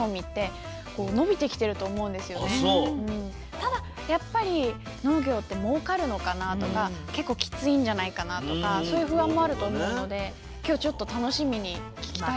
ただやっぱり農業ってもうかるのかなとか結構きついんじゃないかなとかそういう不安もあると思うので今日ちょっと楽しみに任せて下さい。